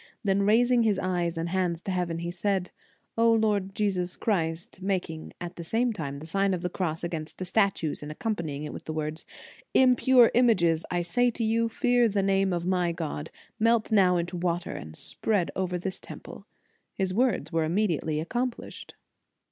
Then raising his eyes and hands to heaven, he said, "O Lord Jesus Christ!" making at the same time the Sign of the Cross against the statues, and accom panying it with the words: " Impure images, I say to you, fear the name of my God: melt now into water, and spread over this temple." His words were immediately accomplished.